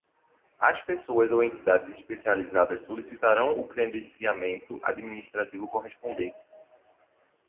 As pessoas ou entidades especializadas solicitarão o credenciamento administrativo correspondente.